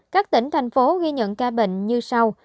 các tỉnh thành phố ghi nhận ca bệnh như sau